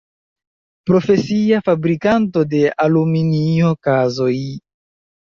Profesia fabrikanto de aluminio kazoj.